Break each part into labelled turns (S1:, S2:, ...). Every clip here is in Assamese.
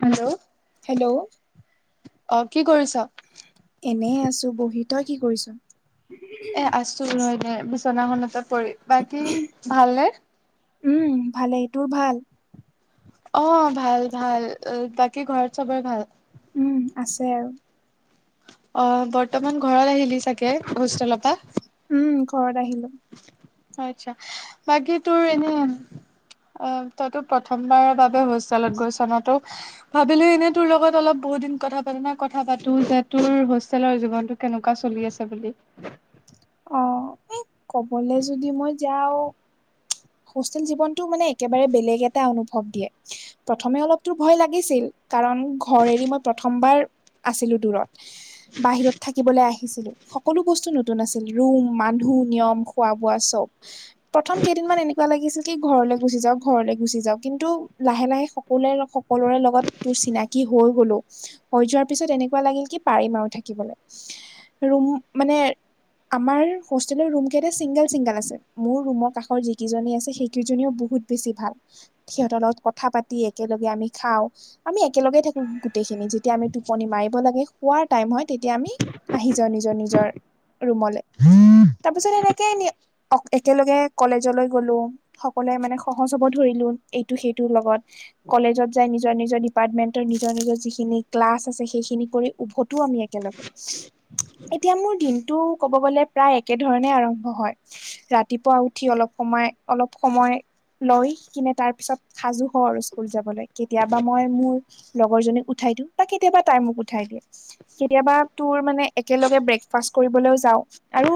S1: হেল্ল,
S2: হেল্ল'
S1: অঁ কি কৰিছ?
S2: এনেই আছো বহি, তই কি কৰিছ?
S1: এ আছো নহয় দে বিচনাখনতে পৰি, বাকী ভালনে?
S2: উম উম ভালেই, তোৰ ভাল?
S1: অ, ভাল ভাল। বাকী ঘৰত চবৰে ভাল।
S2: উম, আছে আও।
S1: অ বৰ্তমান ঘৰত আহিলি চাগে, হোষ্টেল পা?
S2: উম, ঘৰত আহিলো।
S1: আচ্চা বাকী তোৰ এনে অ, তইতো প্ৰথমবাৰৰ বাবে হোষ্টেলত গৈছনটো? ভাবিলো এনেই তোৰ লগত অলপ বহুত দিন কথা পাতা নাই। কথা পাতো যে তোৰ হোষ্টেলৰ জীৱনতো কেনেকুৱা চলি আছে বুলি।
S2: অ। এ, কবলে যদি মই যাওঁ। হোষ্টেল জীৱনটো মানে একেবাৰে বেলেগ এটা অনুভৱ দিয়ে। প্ৰথমে অলপ দূৰ ভয় লাগিছিল, কাৰণ ঘৰ এৰি মই প্ৰথমবাৰ আছিলো দূৰত। বাহিৰত থাকিবলে আহিছিলো। সকলো বস্তু নতুন আছিল। ৰুম, মানুহ, নিয়ম খোৱা বোৱা, চব। প্ৰথম কেইদিনমান এনে কি আছিল কি ঘৰলে গুচি যাও, ঘৰলে গুচি যাওঁ। কিন্তু লাহে লাহে সকলোৱে সকলোৰে লগত তোৰ চিনাকি হৈ গলো, হৈ যোৱাৰ পিছত এনেকুৱা লাগিল কি পাৰিম আৰু থাকিবলে। ৰুম মানে, আমাৰ হোষ্টেলৰ ৰুম কেইটা চিংগল চিংগল আছে। মোৰ ৰুমৰ কাষৰ যি কিজনী আছে সেইকেইজনীও বহুত বেছি ভাল। সিহঁতৰ লগত কথা পাতি একেলগে আমি খাওঁ। আমি একেলগে থাকো গোটেইখিনি। যেতিয়া আমি টোপনি মাৰিব লাগে, সোৱাৰ টাইম হয়, তেতিয়া আমি আহি যাও নিজৰ নিজৰ ৰুমলে। তাপিছত এনেকে একেলগে কলেজ যলৈ গ'লো। সকলোৱে মানে সহজ হ'ব ধৰিলো। এইটো সেইটো লগত। কলেজত যাই নিজৰ নিজৰ ডিপাৰ্টমেন্টৰ নিজৰ নিজৰ যিখিনি ক্লাছ আছে। সেইখিনি কৰি উভতো আমি একেলগ এতিয়া মোৰ দিনটো, ক'ব গলে প্ৰায় একে ধৰণে আৰম্ভ হয়। ৰাতিপুৱা উঠি অলপ সমাই অলপ সময় লৈ কিনে তাৰপিছত সাজু হওঁ আৰু স্কুল যাবলৈ। কেতিয়াবা মই মোৰ লগৰ জনীক উঠাই দিওঁ, বা কেতিয়াবা তাই মোক উঠাই দিয়ে। কেতিয়াবা তোৰ মানে একেলগে ব্ৰেকফাষ্ট কৰিবলৈও যাও। আৰু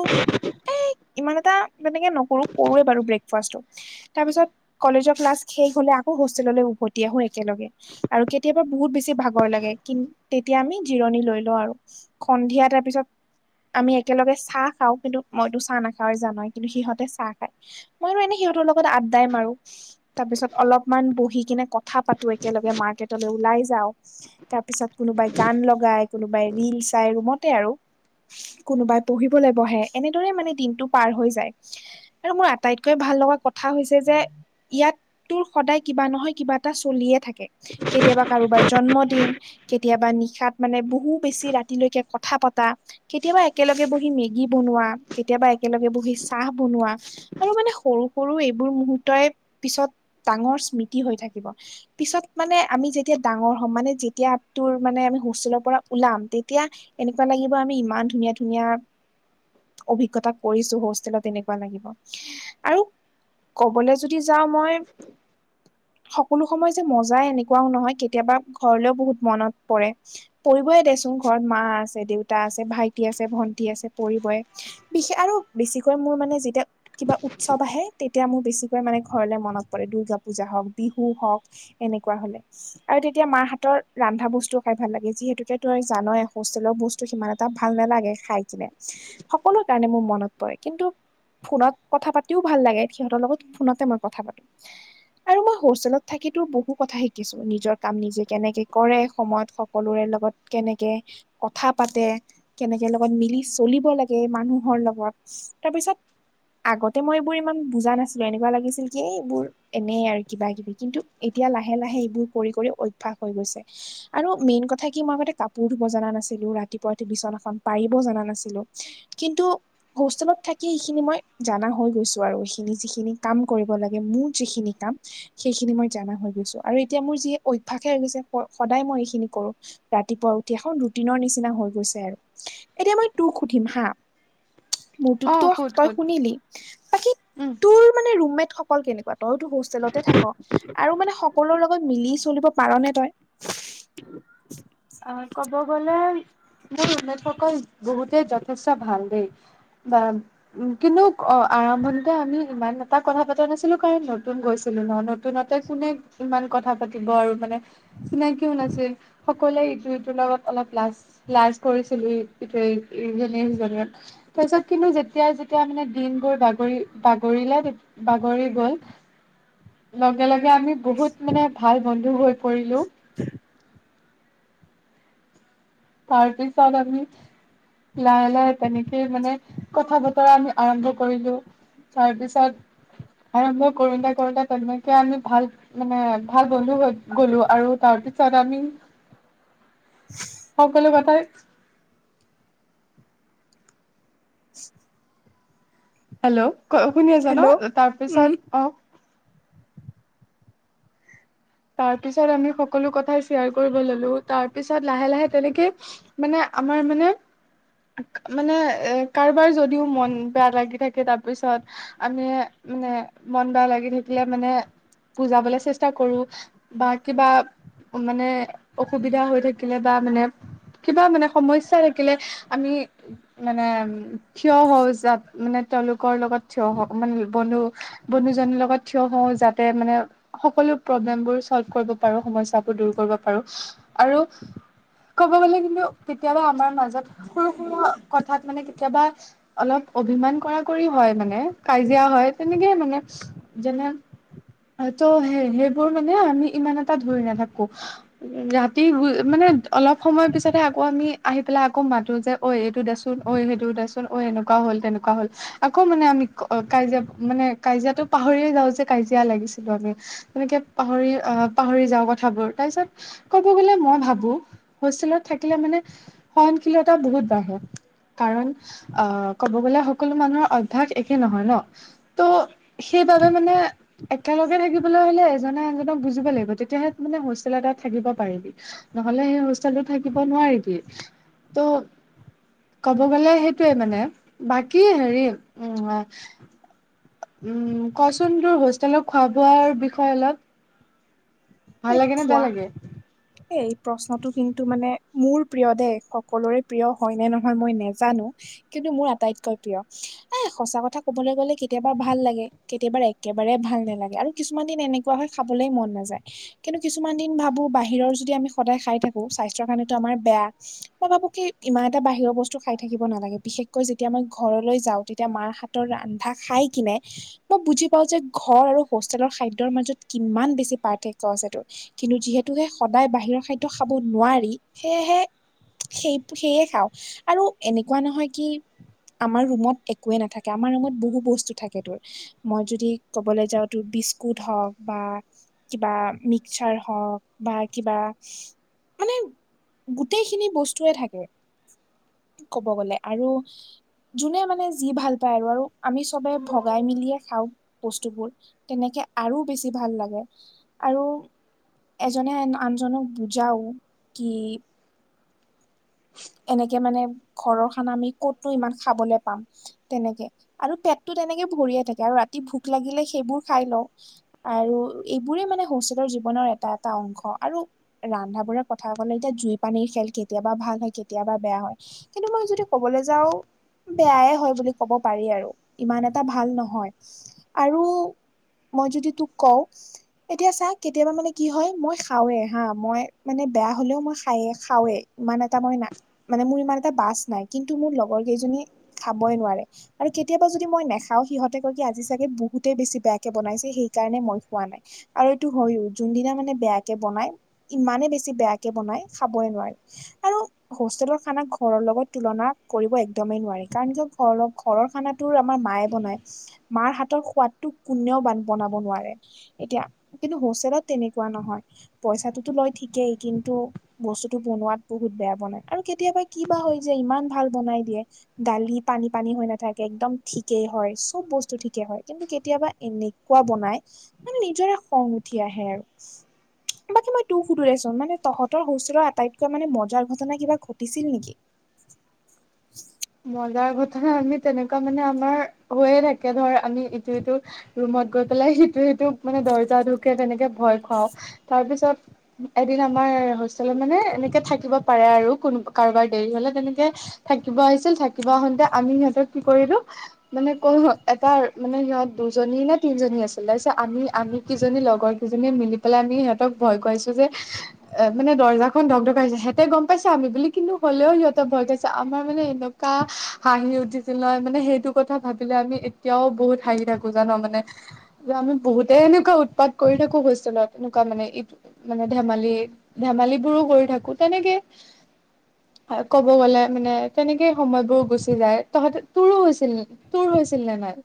S2: এ ইমান এটা তেনেকে নকৰো কৰোৱে বাৰু ব্ৰেকফাষ্টটো। তাৰ পিছত কলেজৰ ক্লাছ শেষ হলে, আকৌ হোষ্টেললৈ উভতি আহো একেলগে। আৰু কেতিয়াবা বহুত বেছি ভাগৰ লাগে। কিন তেতিয়া আমি জিৰণি লৈ লওঁ আৰু। সন্ধিয়া তাৰ পিছত আমি একেলগে চাহ খাওঁ। কিন্তু মইতো চাহ নাখওঁয়েই জানই, কিন্তু সিহঁতে চাহ খায়। মই তো এনে সিহঁতৰ লগত আড্ডাই মাৰো। তাৰ পিছত অলপমান বহি কিনে কথা পাতো একেলগে, মাৰ্কেটলে ওলাই যাওঁ। তাৰ পিছত কোনোবাই গান লগাই কোনোবাই ৰিল চাই ৰুমতে আৰু। কোনোবাই পঢ়িবলে বহে। এনেদৰে মানে দিনটো পাৰ হৈ যায়। আৰু মোৰ আটাইতকৈ ভাল লগা কথা হৈছে যে, ইয়াত তোৰ সদায় কিবা নহয় কিবা এটা চলিয়ে থাক কে। কেতিয়াবা কাৰোবাৰ জন্মদিন। কেতিয়াবা নিশাত মানে বহু বেছি ৰাতিলৈকে কথা পতা। কেতিয়াবা একেলগে বহি মেগী বনোৱা, কেতিয়াবা একেলগে বহি চাহ বনোৱা। আৰু মানে সৰু সৰু এইবোৰ মুহূৰ্তই পিছত ডাঙৰ স্মৃতি হৈ থাকিব। পিছত মানে আমি যেতিয়া ডাঙৰ হম। মানে যেতিয়া তোৰ মানে আমি হোষ্টেলৰ পৰা ওলাম। তেতিয়া এনেকুৱা লাগিব আমি ইমান ধুনীয়া ধুনীয়া অভিজ্ঞতা কৰিছো হোষ্টেলত এনেকুৱা লাগিব। আৰু কবলৈ যদি যাওঁ মই সকলো সময় যে মজাই এনেকুৱাও নহয় কেতিয়াবা ঘৰলেও বহুত মনত পৰে। পৰিবয়ে দেচোন ঘৰত মা দেউতা আছে ভাইটি আছে ভন্টি আছে পৰিবই বিশেষ আৰু বেছিকৈ মোৰ মানে যেতিয়া কিবা উৎসৱ আহে তেতিয়া মোৰ বেছিকৈ মানে ঘৰলে মনত পৰে দূৰ্গা পূজা হওক বিহু হওক এনেকুৱা হলে। আৰু তেতিয়া মাহ হাতৰ ৰন্ধা বস্তুও খাই ভাল লাগে যিহেতুকে ত আৰু জানয় হোষ্টেলৰ বস্তু সিমান এটা ভাল নালাগে খাই কিনে সকলো কাৰণে মোৰ মনত পৰে। কিন্তু, ফোনত কথা পাতিও ভাল লাগে সিহঁতৰ লগত ফোনতে মই কথা পাতো। আৰু মই হোষ্টেলত থাকো বহু কথা শিকিছো নিজৰ কাম নিজে কেনেকে কৰে সময়ত সকলোৰে লগত কেনেকে কথা পাতে কেনেকে লগত মিলি চলিব লাগে মানুহৰ লগত তাৰপিছত আগতে মই এইবোৰ ইমান বুজা নাছিলো এনেকুৱা লাগিছিল কি এইবোৰ এনেই আৰু কিবা কিবি কিন্তু এতিয়া লাহে লাহে এইবোৰ কৰি কৰি অভ্যাস হৈ গৈছে। আৰু মেইন কথা কি মই আগতে কাপোৰ ধুব জনা নাছিলো ৰাতিপুৱা উঠি বিচনাখন পাৰিব জনা নাছিলো। কিন্তু হোষ্টেলত থাকি সেইখিনি মই জানা হৈ গৈছো আৰু এইখিনি যিখিনি কাম কৰিব লাগে মোৰ যিখিনি কাম সেইখিনি মই জানা হৈ গৈছো আৰু এতিয়া মোৰ যি অভ্যাসে হৈ গৈছে সদায় মই এইখিনি কৰো। ৰাতিপুৱা উঠি এখন ৰুটিনৰ নিচিনা হৈ গৈছে। আৰু এতিয়া মই তোক সুধিম হা মোৰতো
S1: অ সুধ
S2: তই
S1: সুধ
S2: শুনিলি বাকী
S1: উম
S2: তোৰ মানে ৰুমমেট অকল কেনেকুৱা তইতো হোষ্টেলতে থাকা আৰু মানে সকলোৰে লগত মিলি চলিব পাৰা নে তই?
S1: অ কব গলে মোৰ ৰুমমেটসকল বহুতে যথেষ্ট ভাল দেই। বা কিন্তু অ, আৰম্ভণিতে আমি ইমান এটা কথা পাতা নাছিলো কাৰণ নতুন গৈছিলো ন নতুনতে কোনে ইমান কথা পাতিব আৰু মানে চিনাকী ও নাছিল। কলে ইটো ইটোৰ লগত অলপ লাজ লাজ কৰিছিলো ইটোৱে ইজনী সিজনী তাৰপিছত কিন্তু যেতিয়া যেতিয়া মানে দিনবোৰ বাগৰি বাগৰিলে বাগৰি গল। লগে লগে আমি বহুত মানে ভাল বন্ধু হৈ পৰিলো।
S2: [unintelligible]
S1: তাৰ পিছত আমি লাহে লাহে তেনেকেই মানে কথা বতৰা আমি আৰম্ভ কৰিলো। তাৰ পিছত আৰম্ভ কৰোটে কৰোটে তেনেকে আমি ভাল মানে ভাল বন্ধু হৈ গ'লো আৰু তাৰ পিছত আমি
S2: [unintelligible]
S1: সকলোৱে কথাই
S2: [unintelligible]
S1: হেল্ল' শুনি আছা
S2: হেল্ল'
S1: ন
S2: উম
S1: তাৰপিছত অ তাৰ পিছত আমি সকলো কথাই শ্বেয়াৰ কৰিব ললো তাৰ পিছত লাহে লাহে তেনেকে মানে আমাৰ মানে মানে এ কাৰোবাৰ যদিও মন বেয়া লাগি থাকে তাৰপিছত আমি মানে মন বেয়া লাগি থাকিলে মানে বুজাবলে চেষ্টা কৰো বা কিবা মানে অসুবিধা হৈ থাকিলে কিবা মানে কিবা মানে সমস্যা থাকিলে আমি মানে থিয় হও যাত, মানে তেওঁলোকৰ লগত থিয় হও, মানে বন্ধু- বন্ধুজনৰ লগত থিয় হও যাতে মানে সকলো প্ৰব্লেমবোৰ, চল্ভ কৰিব পাৰো, সমস্যাবোৰ দূৰ কৰিব পাৰো আৰু- ক'ব গ'লে কিন্তু কেতিয়াবা আমাৰ মাজত সৰু সৰা কথাত মানে কেতিয়াবা, অলপ অভিমান কৰা কৰি হয় মানে, কাজিয়া হয় তেনেকে মানে যেনে সেইতো সেই সেইবোৰ মানে আমি ইমান এটা ধৰি নাথাকো ৰাতি মানে অলপ সময়ৰ পিছতে আকৌ আমি আহি পেলাই আকৌ মাতো যে ঐ এইটো দেচোন, ঐ সেইটো দেচোন, অ এনেকুৱা হ'ল তেনেকুৱা হ'ল। আকৌ মানে আমি কাজিয়া মানে কাজিয়াটো পাহৰিয়ে যাও যে কাজিয়া লাগিছিলো আমি। এনেকে পাহৰি- অ পাহৰি যাওঁ কথাবোৰ। তাৰ পিছত কব গলে মই ভাবো হোষ্টেলত থাকিলে মানে, সহনশীলতা বহুত বাঢ়ে। কাৰণ, আ ক'ব গ'লে সকলো মানুহৰ অভ্যাস একে নহয় ন। ত' সেইবাবে মানে একেলগে থাকিবলৈ হলে এজনে আনজনৰ- ক বুজিব লাগিব, তেতিয়াহে মানে হোষ্টেল এটাত থাকিব পাৰিবি। নহলে সেই হোষ্টেলটো থাকিব নোৱাৰিবি। ত' কব গ'লে সেইটোয়ে মানে, বাকী হেৰি উম উম কচোন তোৰ হোষ্টেলত খোৱা বোৱাৰ বিষয়ে অলপ। ভাল
S2: এ
S1: লাগে নে বেয়া
S2: খোৱা
S1: লাগে?
S2: এই প্ৰশ্নটো কিন্তু মানে মোৰ প্ৰিয় দেই, সকলোৰে প্ৰিয় হয় নে নহয় মই নেজানো- কিন্তু মোৰ আটাইতকৈ প্ৰিয়। এ সঁচা কথা কবলৈ গলে কেতিয়াবা ভাল লাগে, কেতিয়াবা একেবাৰে ভাল নালাগে। আৰু কিছুমান দিন এনেকুৱা হয় খাবলে মন নাযায়। কিন্তু কিছুমান দিন ভাবো বাহিৰৰ যদি আমি সদায় খাই থাকো স্বাস্থ্যৰ কাৰণেতো আমাৰ বেয়া। মই ভাবো কি ইমান এটা বাহিৰৰ বস্তু খাই থাকিব নালাগে, বিশেষকৈ যেতিয়া মই ঘৰলৈ যাওঁ তেতিয়া মাৰ হাত- তৰ ৰান্ধা খাই কিনে, মই বুজি পাও যে ঘৰ আৰু হোষ্টেলৰ খাদ্যৰ মাজত কিমান বেছি পাৰ্থ- -ৰ্ক আছে তোৰ, কিন্তু যিহেতু কে সদায় বাহিৰৰ খাদ্য খাব নোৱাৰি সেয়েহে, সেই সেয়ে খাওঁ আৰু এনেকুৱা নহয় কি, আমাৰ ৰুমত একোৱে নাথাকে, আমাৰ ৰুমত বহু বস্তু থাকে তোৰ। মই যদি ক'বলৈ যাওঁ তোৰ বিস্কুট হওক বা বা মিক্সাৰ হওঁক, বা কিবা মানে গোটেইখিনি বস্তুয়ে থাকে। ক'ব গ'লে আৰু, যোনে মানে যি ভাল পায় আৰু, আৰু আমি চবে ভগাই মেলিয়ে খাওঁ বস্তুবোৰ। তেনেকে আৰু বেছি ভাল লাগে। আৰু এজনে আনজনক বুজাও কি এনেকে মানে ঘৰৰ খানা আমি কতো ইমান খাবলৈ পাম। তেনেকে, আৰু পেটটো তেনেকে ভৰিয়ে থাকে আৰু ৰাতি ভোক লাগিলে সেইবোৰ খাই লওঁ। আৰু এইবোৰেই মানে হোষ্টেলৰ জীৱনৰ এটা এটা অংশ। আৰু ৰন্ধা বোৰৰ কথা কলে এতিয়া জুই পানীৰ খেল কেতিয়াবা ভাল হয় কেতি- -য়াবা বেয়া হয়, কিন্তু মই যদি কবলৈ যাওঁ- বেয়াই হয় বুলি ক'ব পাৰি আৰু, ইমান এটা ভাল নহয়। আৰু মই যদি তোক কওঁ- এতিয়া চা কেতিয়াবা মানে কি হয়, মই খাওৱে হা মই মানে বেয়া হলেও মই খায়ে খাওৱেই। ইমান এটা মই না মানে মোৰ ইমান এটা বাছ নাই, কিন্তু মোৰ লগৰ কেইজনীয়ে খাবই নোৱাৰে। আৰু কেতিয়াবা যদি মই নেখাওঁ সিহঁতে কয় কি আজি চাগে বহুতেই বেছি বেয়াকে বনাইছে সেইকাৰণে মই খোৱা নাই। আৰু এইটো হয়ও যোনদিনা মানে বেয়াকে বনাই ইমানে বেছি বেয়াকে বনাই খাবই নোৱাৰি। আৰু
S1: [inaudible]
S2: হোষ্টেলৰ খানা ঘৰৰ লগত তুলনা কৰিব একদমেই নোৱাৰি, কাৰণ কিয় ঘৰৰ লগ ঘৰৰ খানা তোৰ আমাৰ মায়ে বনাই, মাৰ হাতৰ সোৱাটো কোনেও বনাব নোৱাৰে। এতিয়া কিন্তু হোষ্টেলত তেনেকুৱা নহয়। পইচাটোতো লয় ঠিকেই কিন্তু বস্তুটো বনোৱাত বহুত বেয়া বনাই। আৰু কেতিয়াবা কিবা হয় যায়, ইমান ভাল বনাই দিয়ে! দালি পানী পানী হৈ নাথাকে একদম ঠিকেই হয়, চব বস্তু ঠিকেই হয় কিন্তু কেতিয়াবা এনে কোৱা বনাই মানে নিজৰে খং উঠি আহে আৰু। বাকী মই তোক সুধো দে ছোন মানে তহঁতৰ হোষ্টেলৰ আটাইতকৈ মানে মজাৰ ঘটনা কিবা ঘটিছিল নেকি?
S1: মজাৰ ঘটনা আমি তেনেকুৱা মানে আমাৰ হৈয়ে থাকে ধৰ আমি ইটো সিটো ৰুমত গৈ পেলাই সেইটোৱে মানে দৰ্জা ঢুকে তেনেকে ভয় খুৱাও, তাৰপিছত এদিন আমাৰ হোষ্ট হোষ্টেলত মানে এনেকে থাকিব পাৰে আৰু কোনো কাৰোবাৰ দেৰি হলে তেনেকে থাকিব আহি আহিছিল থাকিবা আহোতে আমি সিহঁতক কি কৰিলো মানে ক এটা মানে সিহঁত দুজনী নে তিনজনী আছিল তাৰপিছত আমি আমি কিজনী লগৰ কেইজনীয়ে মিলি পেলাই আমি সিহঁতক ভয় খুৱাইছো যে এ মানে দৰ্জাখন ধক ধকাইছে, হেঁতে গম পাইছে আমি বুলি কিন্তু হ'লেও সিহঁতে ভয়াই খাইছে আমাৰ মানে এন কা হাঁহি উঠিছিল নহয় মানে সেইটো কথা ভাবিলে আমি এতিয়াও বহুত হাঁহি থাকো জান মানে আমি বহুতে এনেকুৱা উৎপাত কৰি থাকো হোষ্টেলত এনেকুৱা মানে ইট মানে ধেমালি ধেমালিবোৰো কৰি থাকো তেনেকে হয় ক'ব গ'লে মানে তেনেক এই সময়বোৰ গুচি যায়, তহঁতে তোৰো হৈছিল তোৰ হৈছিল নে নাই?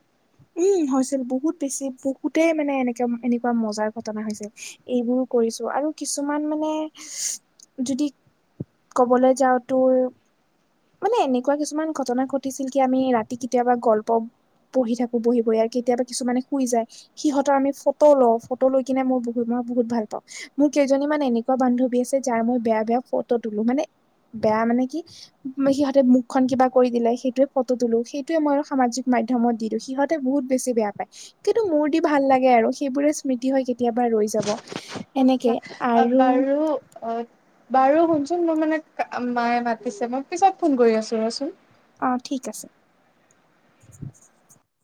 S2: উম হৈছিল বহুত বেছি বহুতেই মানে এনেকা এনেকুৱা মজাৰ ঘটনা হৈছিল। এইবোৰ কৰিছো আৰু কিছুমান মানে যদি ক'বলৈ যাওঁ তোৰ মানে এনেকুৱা কিছুমান ঘটনা ঘটিছিল কি আমি ৰাতি কেতিয়াবা গল্প পঢ়ি থাকো বহি বহি আৰু কেতিয়াবা কিছুমানে শুই যায়। সিহঁতৰ আমি ফটো লওঁ ফটো লৈ কিনে মই বহুত মই বহুত ভাল পাওঁ। মোৰ কেইজনীমান এনেকুৱা বান্ধৱী আছে যাৰ মই বেয়া বেয়া ফটো তোলো, মানে বেয়া মানে কি সিহঁতে মুখন কিবা কৰি দিলে সেইটোৱে ফটো তোলো, সেইটোৱে মই সামাজিক মাধ্যমত দি দিও, সিহঁত তে বহুত বেছি বেয়া পায়। কিন্তু মোৰ দি ভাল লাগে আৰু সেইবোৰে স্মৃতি হয় কেতিয়াবা ৰৈ যাব। এনেকে
S1: আচ্ছা
S2: আৰু
S1: বাৰু অহ বাৰু শুনচোন মোৰ মানে মায়ে মাতিছে মই পিছত ফোন কৰি আছো ৰচোন।
S2: অঁ ঠিক আছে।